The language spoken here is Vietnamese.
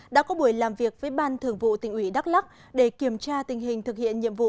đã có buổi làm việc với ban thường vụ tỉnh ủy đắk lắc để kiểm tra tình hình thực hiện nhiệm vụ